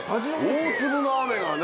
大粒の雨がね。